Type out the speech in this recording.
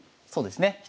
そうですね。